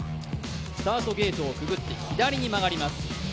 スタートゲートをくぐって左に曲がります。